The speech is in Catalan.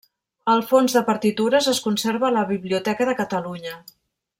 El fons de partitures es conserva a la Biblioteca de Catalunya.